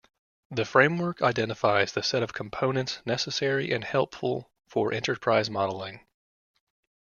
The framework identifies the set of components necessary and helpful for enterprise modelling.